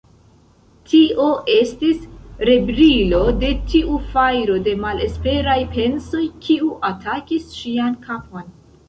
Tio estis rebrilo de tiu fajro de malesperaj pensoj, kiu atakis ŝian kapon.